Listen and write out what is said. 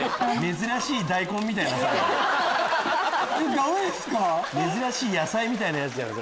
珍しい野菜みたいなやつじゃん。